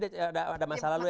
ini ada masalah lu ya